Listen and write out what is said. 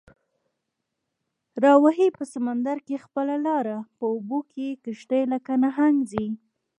راوهي په سمندر کې خپله لاره، په اوبو کې یې کشتۍ لکه نهنګ ځي